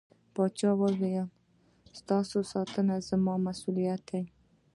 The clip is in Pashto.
پاچا وويل: ستاسو ساتنه زما مسووليت دى.